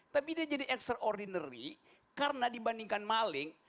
tapi dia jadi extraordinary karena dibandingkan maling